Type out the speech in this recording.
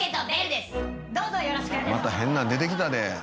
また変なん出てきたで。